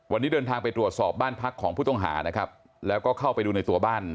วันนี้เดินทางไปตรวจสอบบ้านพักของผู้ต้องหานะครับแล้วก็เข้าไปดูในตัวบ้าน